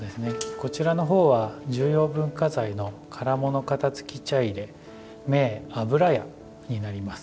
こちらのほうは重要文化財の「唐物肩衝茶入銘油屋」になります。